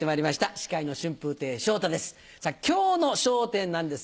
司会の春風亭昇太です